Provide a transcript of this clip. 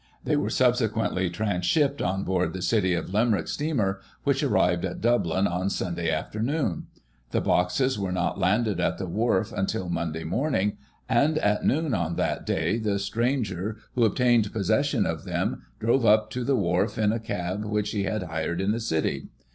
They were, subsequently, transshipped on board the City of Limerick steamer, which arrived at Dublin on Sunday aftemooa The boxes were not landed at the wharf Digiti ized by Google 88 GOSSIP. [1839 until Monday morning, and, at noon on that day, the stranger who obtained possession of them drove up to the wharf in a cab which he had hired in the city.